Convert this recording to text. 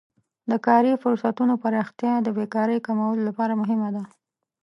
د کاري فرصتونو پراختیا د بیکارۍ کمولو لپاره مهمه ده.